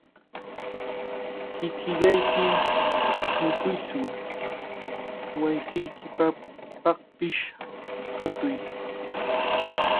Kikillayki mikuytsu, wawqiykipaqpish katuy.